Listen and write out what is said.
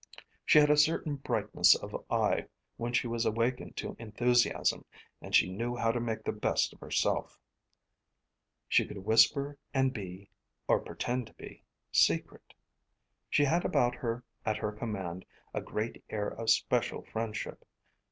She had a certain brightness of eye when she was awakened to enthusiasm, and she knew how to make the best of herself. She could whisper and be or pretend to be secret. She had about her, at her command, a great air of special friendship.